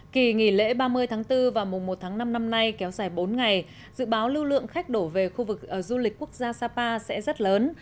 kỳ nghỉ lễ ba mươi tháng bốn và mùa một tháng năm năm nay kéo dài bốn ngày dự báo lưu lượng khách đổ về khu vực du lịch quốc gia sapa sẽ rất lớn